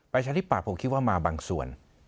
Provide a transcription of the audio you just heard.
ประชาธิปัตย์ผมคิดว่ามาบางส่วน